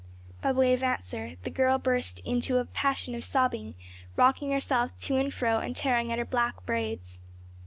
By way of answer the girl burst into a passion of sobbing, rocking herself to and fro and tearing at her black braids.